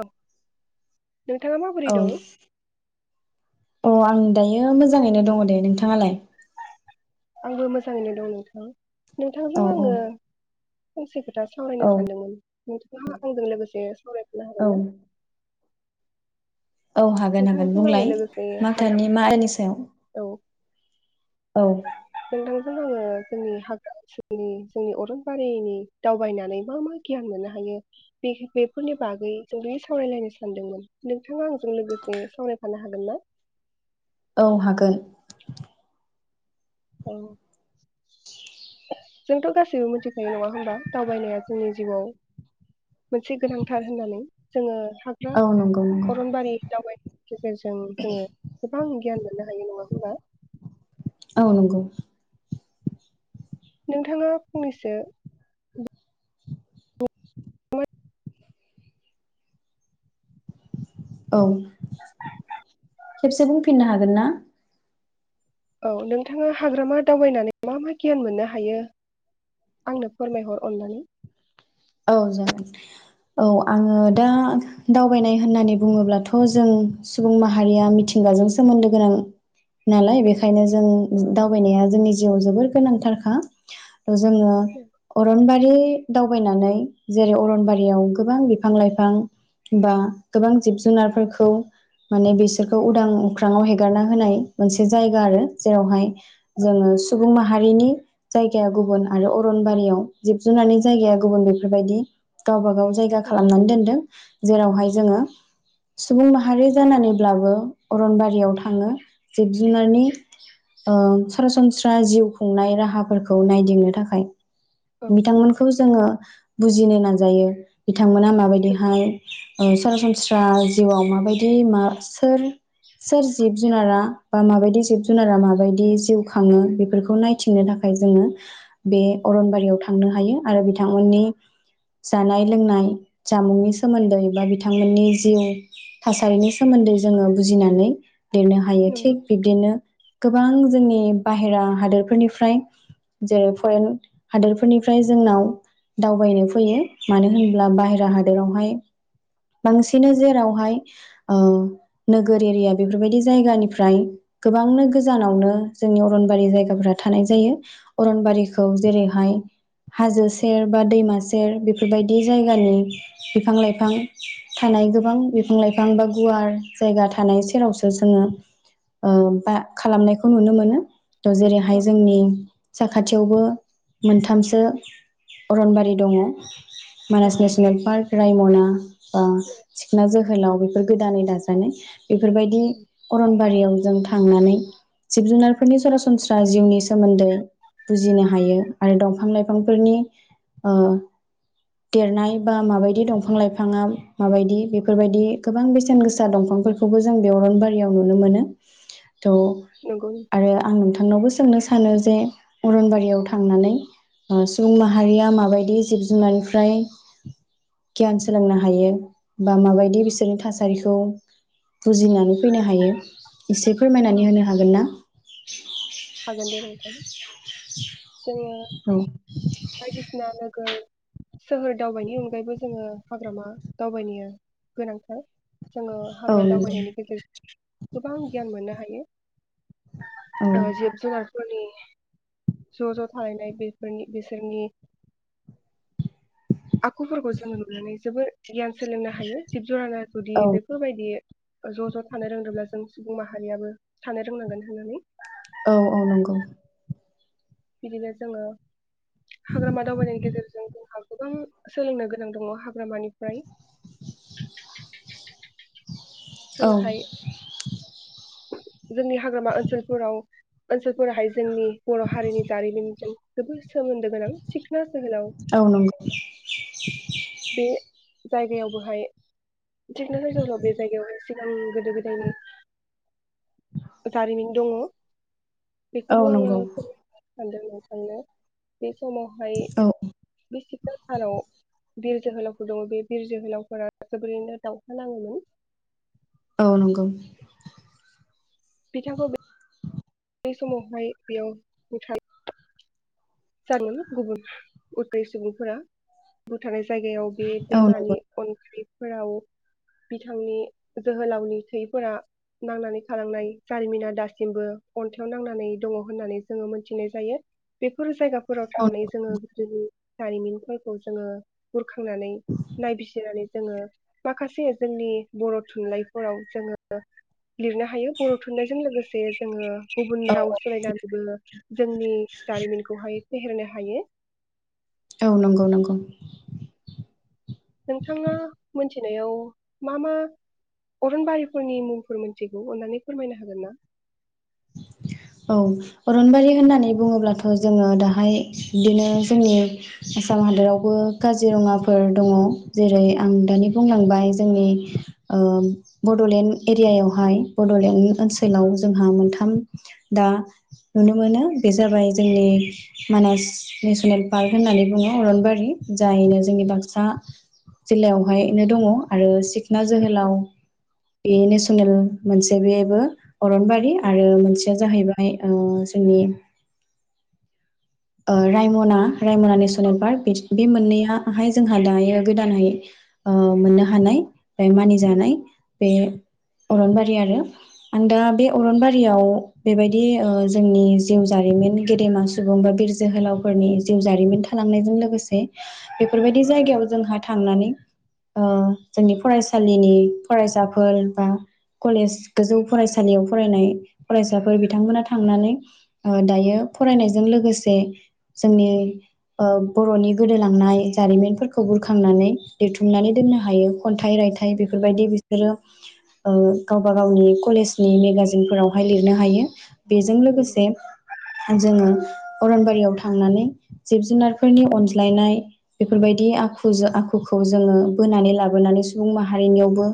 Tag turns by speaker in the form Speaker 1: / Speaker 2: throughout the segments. Speaker 1: औ नोंथाङा माबोरै दं?
Speaker 2: अ आं दायो मोजाङैनो दङ दे नोंथाङालाय?
Speaker 1: आंबो मोजाङैनो दं नोंथां। नोंथांजों
Speaker 2: औ औ
Speaker 1: आङो फंसे खो था
Speaker 2: औ
Speaker 1: सावरायनो सानदोंमोन नोंथांआ आंजों लोगोसे सावरायफानो
Speaker 2: औ
Speaker 1: हागोना।
Speaker 2: औ हागोन हागोन
Speaker 1: नोंथांजों आङो
Speaker 2: बुंलाय
Speaker 1: लोगोसे
Speaker 2: मा
Speaker 1: हाग्रा
Speaker 2: ताएपनि मानि सायाव
Speaker 1: औ
Speaker 2: औ
Speaker 1: नोंथांजों आङो जोंनि हाग्रा ओनसोलनि जोंनि अरन बारिनि दावबायनानै मा मा गियान मोननो हायो बे बेफोरनि बागै जों दि सावरायलायनो सानदोंमोन नोंथाङा जों लोगोसे सावरायफानो हागोन ना?
Speaker 2: औ हागोन।
Speaker 1: औ जोंथ' गासैबो मिथिखायो नङा होमबा दावबायनाया जोंनि जिउआव मोनसे गोनांथार होननानै जोङो थाग्रा
Speaker 2: औ नंगौ नंगौ
Speaker 1: अरनबारि दावबाय गेजेरजों जोङो गोबां गियान मोननो हायो नङा होनबा।
Speaker 2: औ नंगौ।
Speaker 1: नोंथाङा फंनैसो [unintelligible]
Speaker 2: औ खेबसे बुंफिननो हागोनना?
Speaker 1: औ नोंथाङा हाग्रामा दावबायनानै मा मा गियान मोननो हायो आंनो फोरमायहर अननानै।
Speaker 2: औ जागोन औ आङो दा दावबायनाय होननानै बुङोब्लाथ' जों सुबुं माहारिया मिथिंगाजों सोमोन्दो गोनां नालाय बेखायनो जों दावबायनाया जोंनि जिउआव जोबोर गोनांथारखा। जोङो अरनबारि [unintelligible] दावबायनानै जेरै अरनबारियाव गोबां बिफां- लाइफां बा गोबां जिब जुनारफोरखौ माने बिसोरखौ उदां उख्रांआव हेगारना होनाय मोनसे जायगा आरो जेरावहाय जोङो सुबुं माहारिनि जायगाया गुबुन आरो अरनबारियाव जिब जुनारनि जायगाया गुबुन [unintelligible] बेफोरबायदि गावबा [unintelligible] जायगा खालामनानै दोनदों। जेरावहाय जोङो सुबुं माहारि जानानैब्लाबो अरनबारियाव थाङो जिब -जुनारनि ओ सरासनस्रा जिउ खुंनाय राहाफोरखौ नायदिंनो थाखाय
Speaker 1: औ
Speaker 2: बिथांमोनखौ जोङो बुजिनो नाजायो बिथांमोना माबायदिहाय सरासनस्रा जिउआव माबायदि मा सोर सोर जिब जुनारा बा माबायदि जिब -जुनारा माबायदि जिउ खाङो बेफोरखौ नायथिंनो थाखाय जोङो बे अरनबारियाव थांनो हायो आरो बिथांमोननि जानाय लोंनाय जामुंनि सोमोन्दै बा बिथांमोननि जिउ थासारिनि सोमोन्दै जोङो बुजिनानै लिरनो हायो
Speaker 1: नंगौ
Speaker 2: थिग बिब्दिनो गोबां जोंनि बाहेरा हादोरफोरनिफ्राय जेरै फरेन हादोरफोरनिफ्राय जोंनाव दावबायनो फैयो मानो होनब्ला बाहेरा हादोरावहाय बांसिन जेरावहाय नोगोर एरिया बेफोरबायदि जायगानिफ्राय गोबांनो गोजानावनो जोंनि अरनबारि जायगाफोराव थानाय जायो अरनबारिखौ जेरैहाय हाजो सेर बा दैमा सेर सेर बेफोरबायदि जायगानि बिफां- लाइफां थानाय गोबां बिफां -लाइफां बा गुवार जायगा थानाय सेरावसो जोङो बा खालामनायखौ नुनो मोनो। त'
Speaker 1: औ
Speaker 2: जेरैहाय जोंनि साखाथियावबो मोनथामसो अरनबारि दङ। [unintelligible]
Speaker 1: औ
Speaker 2: मानास नेसनेल पार्क रायमना [unintelligible] सिखना जोहोलाव जोहोलाव बेफोर गोदानै दाजानाय। बेफोरबायदि
Speaker 1: औ
Speaker 2: अरनबारियाव जों थांनानै जिब- जुनारफोरनि सरासनस्रा जिउनि सोमोन्दै बुजिनो हायो आरो दंफां लाइफांफोरनि ओ देरनाय बा माबायदि दंफां लाइफाङा माबायदि बेफोरबायदि गोबां बेसेन गोसा दंफांफोरखौबो जों बे अरनबारियाव नुनो मोनो। थ'
Speaker 1: नंगौ
Speaker 2: आरो आं नोंथांनावबो सोंनो [unintelligible] सानो जे अरनबारियाव थांनानै सुबुं माहारिया माबायदि जिब जुनारनिफ्राय गियान सोलोंनो हायो बा माबायदि बिसोरनि थासारिखौ बुजिनानै फैनो हायो। एसे फोरमायनानै
Speaker 1: औ
Speaker 2: होनो हागोन ना?
Speaker 1: औ।
Speaker 2: औ।
Speaker 1: बायदिसिना सोहोर दावबायनायनि अनगायैबो जोङो हाग्रामा दावबायनाया गोनांथार। जोङो
Speaker 2: औ
Speaker 1: हाग्रा दावबायनायनि गेजेरजो गोबां गियान मोननो हायो। जिब जुनार फोरनि ज' ज' थाहैनाय बेफोरनि बिसोरनि आखुफोरखौ जोङो नुनानै जोबोर गियान सोलोंनो हायो जिब जुनारा जुदि बेफोरबायदि ज' ज' थानो रोंदोंब्ला जों सुबुं माहारियाबो थानो रोंनांगोन होननानै।
Speaker 2: नंगौ
Speaker 1: बिदिनो जोङो हाग्रामा दावबायनायनि गेजेरजों जोंहा गोबां सोलोंनो गोनां दङ हाग्रामानिफ्राय
Speaker 2: औ।
Speaker 1: जोंहाय जोंनि हाग्रामा ओनसोलफोराव ओनसोलफोराहाय जोंनि बर' हारिनि जारिमिनजों बेफोर सोमोन्दो गोनां सिग
Speaker 2: औ नंगो।
Speaker 1: बे जायगायावबोहाय जकनो ज बे जायगयाव सिगां गोदो गोदायनि जारिमिन दङ।
Speaker 2: औ नंगौ औ
Speaker 1: बेखौबो आङो फोर
Speaker 2: नंगौ
Speaker 1: सानदो नोंथांनो बे समावहाय
Speaker 2: औ
Speaker 1: बे सिख्ला सानाव बिर जोहोलावफोर दङ बि बिर जोहोलावफोरा जोबोरैनो दावहा नाङोमोन ‌।
Speaker 2: औ नंगौ ‌।
Speaker 1: फिथाखौ बे
Speaker 2: [inaudible]
Speaker 1: समावहाय बेयाव [unintelligible] जानो गुबुन उदै सुबुंफोरा बुथारनाय जायगायाव बे
Speaker 2: औ नंगौ
Speaker 1: दैमानि ओंख्रि फोराव बिथांनि जोहोलावनि थैफोरा नांनानै थालांनाय जारिमिना दासिमबो अन्थाइआव नांनानै दङ होननानै जोङो मोनथिनाय जायो। बे फोर जायगा फोराव
Speaker 2: औ
Speaker 1: थांनाय जोङो गोदो जारिमिनफोरखौ जोङो बुर खांनानै नायबिसिरनानै जोङो माखासे जोंनि बर' थुनलाइफोराव जोङो लिरनो हायो बर' थुनलाइजों लोगोसे जोङो गुबुन
Speaker 2: औ
Speaker 1: राव सोलायनानैबो जोंनि जारिमिन खौहाय फेहेरनो हायो।
Speaker 2: औ नंगौ नंगौ।
Speaker 1: नोंथाङा मोनथिनायाव मा मा अरनबारिफोरनि मुंफोर मोनथिगौ अननानै फोरमायनो हागोन ना?
Speaker 2: औ अरनबारि होननानै बुङोब्लाथ' जोङो दाहाय बिदिनो जोंनि आसाम हादरावबो काजिरङाफोर दङ जेरै आं दानि बुंलांबाय जोंनि ओ बड'लेण्ड एरियायावहाय बड'लेण्ड ओनसोलाव जोंहा मोनथा थाम दा नुनो मोनो बे जाबाय जोंनि मानास नेसनेल पार्क होननानै बुङो अरनबारि जायनो जोंनि बाक्सा जिल्लायावहायनो दङ आरो सिखना जोहोलाव बे नेसनेल मोनसे बेबो अरनबारि आरो मोनसेया जाहैबाय ओ जोंनि ओ रायमना रायमना नेस'नेल पार्क बे मोननैयाहाय जोंहा दायो गोदानैहाय ओ मोननो हानाय। ओमफाय मानिजानाय बे अरनबारि आरो आं दा बे अरनबारियाव बेबायदि ओ जोंनि जिउ जारिमिन गेदेमा सुबुं बिर जोहोलावफोरनि जिउ जारिमिन थालांनायजों लोगोसे बेफोरबायदि जायगायाव जोंहा थांनानै ओ जोंनि फरायसालिनि फरायसाफोर बा कलेज गोजौ फरायसालियाव फरायनाय फरायसाफोर बिथांमोनहा थांनानै दायो फरायनायजों लोगोसे से
Speaker 1: नंगौ
Speaker 2: जोंनि ओ बर'नि गोदोलांनाय जारिमिनफोरखौ बुरखांनानै लिरथुमनानै दोननो हायो खन्थाइ रायथाइ बेफोरबायदि बिसोरो ओ गावबा गावनि कलेजनि मेगाजिनफोरावहाय लिरनो हायो‌। बेजों
Speaker 1: नंगौ
Speaker 2: लोगोसे जोङो अरनबारियाव थांनानै जिब जुनारफोरनि अनज्लायनाय बेफोरबायदि आखुजों आखुखौ जोङो बोनानै लाबोनानै सुबुं माहारिनियावबो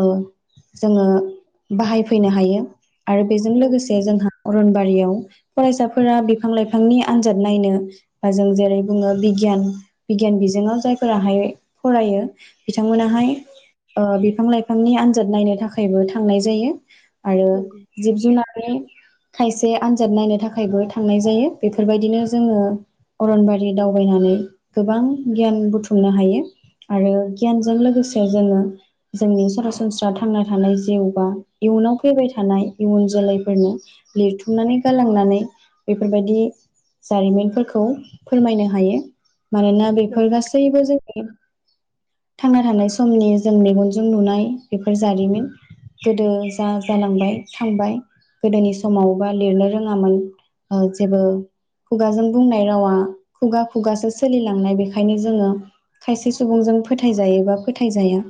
Speaker 2: ओ जोङो बाहायफैनो हायो। आरो बेजों लोगोसे जोंहा अरनबारियाव फरायसाफोरा बिफां लाइफांनि आनजाद नायनो बा जों जेरै बुङो बिगियान बिगियान बिजोङाव जायफोराहाय फरायो
Speaker 1: औ
Speaker 2: बिथांमोनाहाय बिफां लाइफां बिफांनि आनजाद नायनो थाखायबो थांनाय जायो। आरो
Speaker 1: नंगौ
Speaker 2: जिब जुनारनि खायसे आनजाद नायनो थाखायबो थांनाय जायो बेफोरबायदिनो जोङो अरनबारि दावबायनानै गोबां गियान बुथुमनो हायो आरो गियानजों लोगोसे जोङो जोंनि सरासनस्रा थांना थानाय जिउ बा इयुनाव फैबाय थानाय इयुन जोलैफोरनो लिरथुमनानै गालांनानै बेफोरबायदि जारिमिनफोरखौ फोरमायनो हायो। मानोना बेफोर
Speaker 1: नंगौ
Speaker 2: गासैबो जोंनि थांना थानाय समनि जों मेगनजों नुनाय बेफोर जारिमिन गोदो जा जालांबाय थांबाय गोदोनि समावबा लिरनो रोङामोन। ओ जेबो खुगाजों बुंनाय रावा खुगा खुगासो सोलिलांनाय बेखायनो जोङो खायसे सुबुंजों फोथायजायो बा फोथायजाया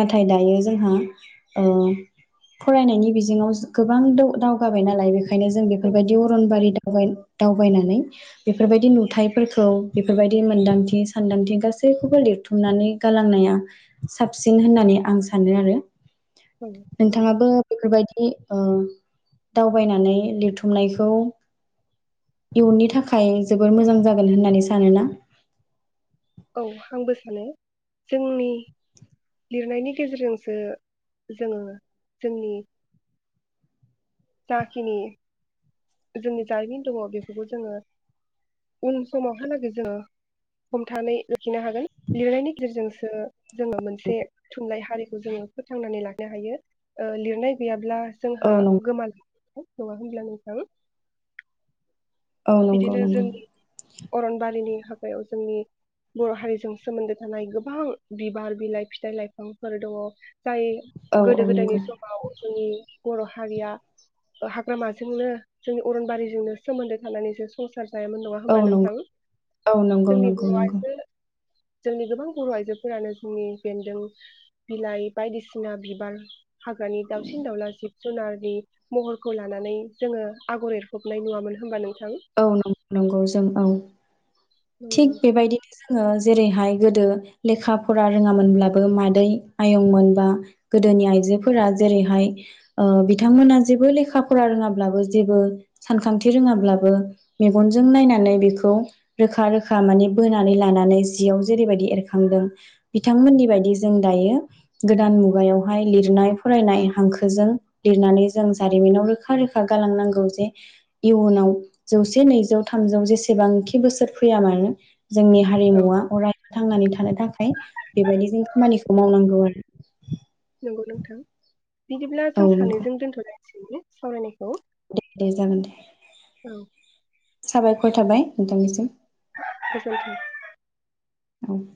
Speaker 2: नाथाय दायो जोंहा ओ फरायनायनि बिजोङाव गोबां दावगाबाय नालाय बे खायनो जों
Speaker 1: नंगौ
Speaker 2: बेफोरबायदि बारि दावबायनानै बेफोरबायदि नुथायफोरखौ बेफोरबायदि मोनदांथि सान्दांथि गासैखौबो लिरथुमनानै गालांनाया साबसिन होननानै आं सानो आरो।
Speaker 1: औ नंगौ
Speaker 2: नोंथाङाबो बेफोरबायदि दावबायनानै लिरथुमनायखौ इयुननि थाखाय जोबोर मोजां जागोन होननानै सानोना?
Speaker 1: औ आंबो सानो जोंनि लिरनायनि गेजेरजोंसो जोङो जोंनि जाखिनि जोंनि जारिमिन दङ बेफोरखौ जोङो उन समावहालागै जोङो हमथानानै लाखिनो हागोन लिरनायनि गेजेरजोंसो जोङो मोनसे थुनलाइ हारि जोङो फोथांनानै लानो हायो ओ लिरनाय गैयाब्ला
Speaker 2: औ
Speaker 1: जोंहा
Speaker 2: नं
Speaker 1: नङा होनब्ला नोंथां?
Speaker 2: औ नंगौ
Speaker 1: बिदिनो जों
Speaker 2: नंगौ
Speaker 1: अरनबारिनि हा ग्रायाव जोंनि बर' हारिजों सोमोन्दो थानाय गोबां बिबार बिलाइ फिथाइ लाइफांफोर दङ। जाय
Speaker 2: औ
Speaker 1: गोदो
Speaker 2: औ
Speaker 1: गोदायनि
Speaker 2: नंगौ
Speaker 1: समाव नि बर' हारिया ओ हाग्रामाजोंनो जोंनि अरनबारिजोंनो सोमोन्दो थांनानैबो स सार जायोमोन नङा
Speaker 2: औ
Speaker 1: होमबा
Speaker 2: नंगौ
Speaker 1: नोंथां
Speaker 2: औ नंगौ
Speaker 1: जोंनि
Speaker 2: नंगौ नंगौ
Speaker 1: बर'वासो जोंनि गोबां बर' आइजोफोरानो जोंनि बेन्दों बिलाइ बायदिसिना बिबार हाग्रानि दावसिन दावला जिब जुनारनि महरखौ लानानै जोङो आगर एरफबनाय नुवामोन होनबा नों
Speaker 2: औ नं नंगौ जों औ। थिग
Speaker 1: नंगौ
Speaker 2: बेबायदिनो जोङो जेरैहाय गोदो लेखा फरा रोङामोनब्लाबो मादै आयंमोन बा गोदोनि आइजोफोरा जेरैहाय ओ बिथांमोना जेबो लेखा फरा रोङाब्लाबो जेबो सानखांथि रोङाब्ला बो मेगनजों नायनानै बेखौ रोखा रोखा माने बोनानै लानानै जियाव जेरैबायदि एरखांदों बिथांमोननि बायदि जों दायो गोदान मुगायावहाय लिरनाय फरायनाय हांखोजों लिरनानै जों जारिमिनाव रोखा रोखा गालांनांगौ जे इयुनाव जौसे नैजौ थामजौ जेसेबांखि बोसोर फैया मानो जोंनि
Speaker 1: औ
Speaker 2: हारिमुवा अरायबो थांनानै थानो थाखाय बेबायदि जों खामानिखौ मावनांगौ आरो।
Speaker 1: नंगौ नोंथां। बिदिब्ला जों
Speaker 2: औ
Speaker 1: सानैजों दोनथ'लाय नि सावरायनायखौ।
Speaker 2: दे दे जागोन दे।
Speaker 1: औ
Speaker 2: साबायखर थाबाय नोंथांनिसिम।
Speaker 1: गोजोनथों।
Speaker 2: उम